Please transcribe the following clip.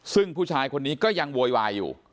ซึ่งผู้ชายคนนี้ก็ยังโวยวายอยู่